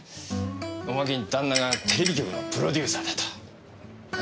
おまけに旦那がテレビ局のプロデューサーだと。